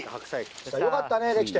よかったねできて。